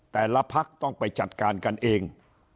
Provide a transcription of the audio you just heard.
แต่ละพักต้องไปจัดการกันเอง